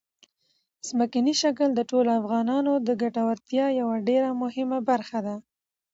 ځمکنی شکل د ټولو افغانانو د ګټورتیا یوه ډېره مهمه برخه ده.